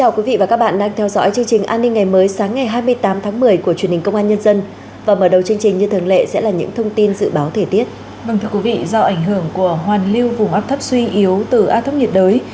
các bạn hãy đăng ký kênh để ủng hộ kênh của chúng mình nhé